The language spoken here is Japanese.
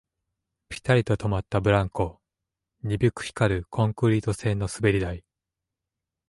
ピタリと止まったブランコ、鈍く光るコンクリート製の滑り台